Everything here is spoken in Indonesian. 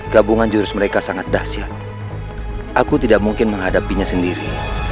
gabungan jurus mereka sangat dahsyat aku tidak mungkin menghadapinya sendiri